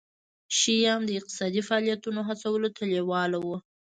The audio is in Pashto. شیام د اقتصادي فعالیتونو هڅولو ته لېواله وو.